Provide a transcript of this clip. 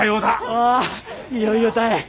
ああいよいよたい。